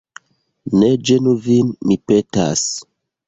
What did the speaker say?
Ne ĝenu vin, mi petas.